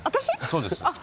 そうです。